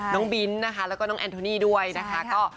น้องบินนะคะแล้วก็น้องแอนโทนี่ด้วยนะคะ